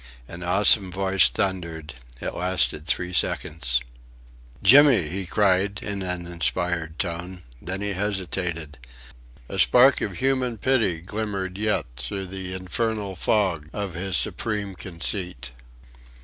An awesome voice thundered!... It lasted three seconds. "Jimmy!" he cried in an inspired tone. Then he hesitated. A spark of human pity glimmered yet through the infernal fog of his supreme conceit.